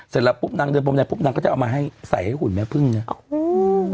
เสร็จแล้วปุ๊บนางเดินพรมแดงปุ๊บนางก็จะเอามาให้ใส่ให้หุ่นแม่พึ่งนะอืม